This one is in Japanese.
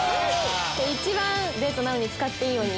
一番「デートなう」に使っていいよ！に。